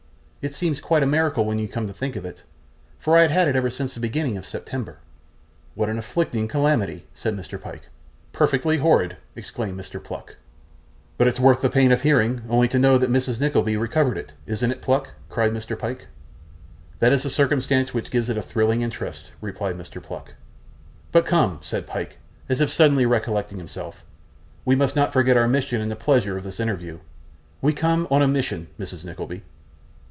It seems quite a miracle when you come to think of it, for I had it ever since the beginning of September.' 'What an afflicting calamity!' said Mr. Pyke. 'Perfectly horrid!' exclaimed Mr. Pluck. 'But it's worth the pain of hearing, only to know that Mrs. Nickleby recovered it, isn't it, Pluck?' cried Mr. Pyke. 'That is the circumstance which gives it such a thrilling interest,' replied Mr. Pluck. 'But come,' said Pyke, as if suddenly recollecting himself; 'we must not forget our mission in the pleasure of this interview. We come on a mission, Mrs. Nickleby.